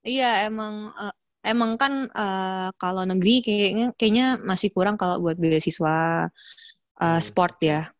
iya emang kan kalau negeri kayaknya masih kurang kalau buat beasiswa sport ya